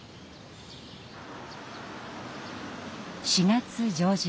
４月上旬。